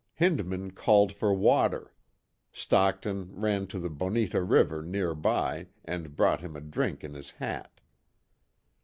Hindman called for water; Stockton ran to the Bonita river, nearby, and brought him a drink in his hat.